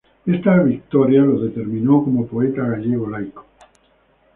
Esta victoria lo determinó como poeta gallego laico.